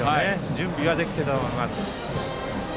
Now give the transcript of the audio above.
準備はできていたと思います。